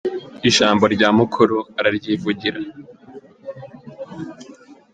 Ijambo rya mukuru araryivugira.